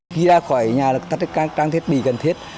khi ra khỏi nhà là tắt các trang thiết bị cần thiết